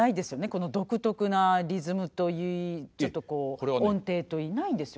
この独特なリズムといいちょっとこう音程といいないですよね？